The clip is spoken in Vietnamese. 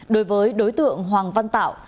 đối với đối tượng hoàng văn tạo